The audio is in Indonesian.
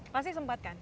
pasti sempat kan